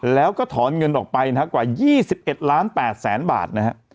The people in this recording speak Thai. แล้วก็ถอนเงินออกไปนะครับกว่า๒๑ล้าน๘แสนบาทนะฮะ